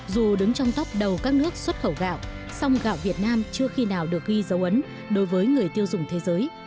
dù đứng trong tóc đầu các nước xuất khẩu gạo song gạo việt nam chưa khi nào được ghi dấu ấn đối với người tiêu dùng thế giới